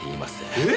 えっ？